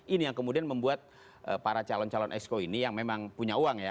ini yang kemudian membuat para calon calon exco ini yang memang punya uang ya